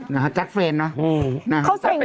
นะฮะจัดเฟรนนะ